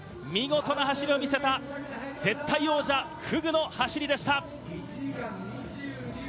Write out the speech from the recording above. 見事な走りを見せた絶対王者・フグの走りでした。